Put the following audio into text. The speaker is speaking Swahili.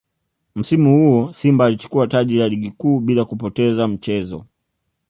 Msimu huo Simba ilichukua taji la Ligi Kuu bila kupoteza mchezo